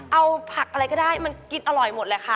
เอาผักอะไรก็ได้มันกินอร่อยหมดเลยค่ะ